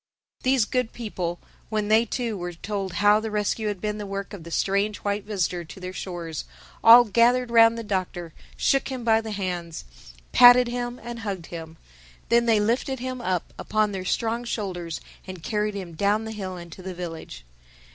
These good people, when they too were told how the rescue had been the work of the strange white visitor to their shores, all gathered round the Doctor, shook him by the hands, patted him and hugged him. Then they lifted him up upon their strong shoulders and carried him down the hill into the village.